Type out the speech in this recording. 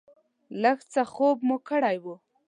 لږ څه خوب مو کړی و.